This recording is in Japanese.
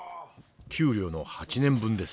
給料の８年分です。